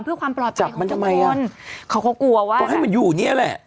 เพื่อความปลอดภัยของคนเขากลัวว่าแบบจับมันทำไมอะเขากลัวว่าให้มันอยู่เนี่ยแหละ